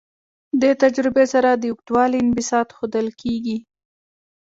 دې تجربې سره د اوږدوالي انبساط ښودل کیږي.